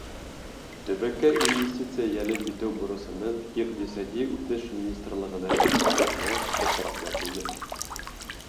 Төбәккә инвестиция йәлеп итеү бурысының Иҡтисади үҫеш министрлығына йөкмәтелеүе осраҡлы түгел.